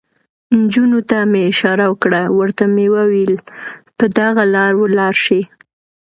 نجونو ته مې اشاره وکړه، ورته مې وویل: پر دغه لار ولاړ شئ.